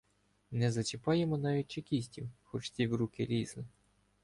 Не зачіпаємо навіть чекістів, хоч ті в руки лізли.